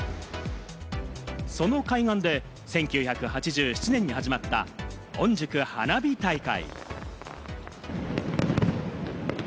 その海岸で１９８７年に始まった、おんじゅく花火大会。